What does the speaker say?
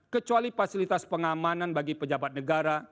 kecuali fasilitas pengamanan bagi pejabat negara